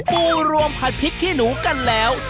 ปูรวมผัดพริกขี้หนูกันแล้ว